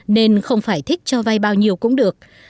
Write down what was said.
nên không phải thích cho vay bao nhiêu cũng được